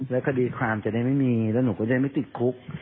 แล้วคดีความจะได้ไม่มีแล้วหนูก็จะไม่ติดคุก